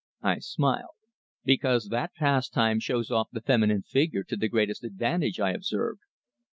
I smiled. "Because that pastime shows off the feminine figure to greatest advantage," I observed.